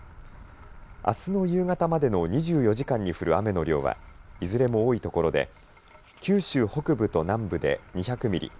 あすの夕方までの２４時間に降る雨の量はいずれも多い所で九州北部と南部で２００ミリ